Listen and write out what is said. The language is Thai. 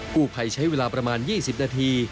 ผู้ภัยใช้เวลาประมาณ๒๐นาที